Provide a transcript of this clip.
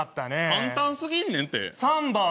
簡単すぎんねんって。